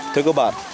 thưa các bạn